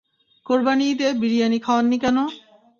কোরবানি ঈদে বিরিয়ানি খাওয়াননি কেন?